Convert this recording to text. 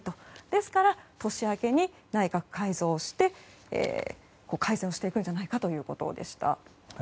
ですから、年明けに内閣改造して解散していくんじゃないかということでした。